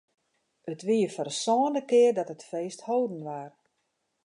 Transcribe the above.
It wie foar de sânde kear dat it feest hâlden waard.